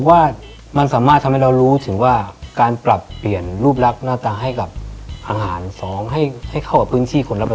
เวลาไปเมืองนอกนี่เราเรียนหาดเวียดนามป่ะ